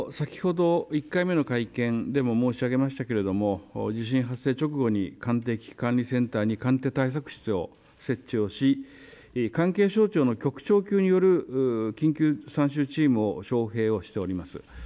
先ほど１回目の会見でも申し上げましたけれども地震発生直後に官邸危機管理センターに官邸対策室を設置をし関係省庁の局長級による緊急参集チームを招へいをしております。